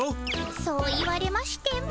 そう言われましても。